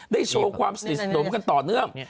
ได้โชคความสนิทโดมกันต่อเนื่อง